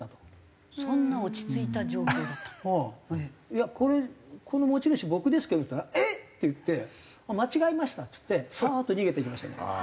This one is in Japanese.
「いやこれこの持ち主僕ですけど」って言ったら「えっ！」って言って「間違えました」っつってサーッと逃げていきましたね。